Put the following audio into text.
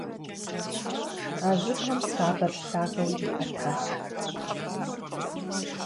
А жьыбгъэм сабэр лъагэу иӏэтат.